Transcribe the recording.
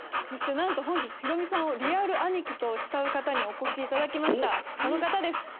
そしてなんと本日ヒロミさんをリアル兄貴と慕う方にお越しいただきましたこの方です